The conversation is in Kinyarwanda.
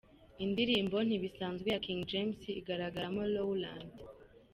Indirimbo ntibisanzwe ya King James igaragaramo Rowland.